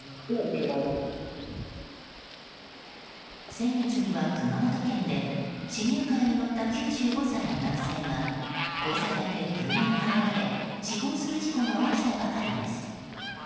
先月には熊本県でシニアカーに乗った９５歳の男性が交差点で車にはねられ死亡する事故が起きたばかりです。